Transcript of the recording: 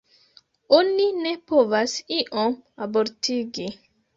Oni ne povas iom abortigi.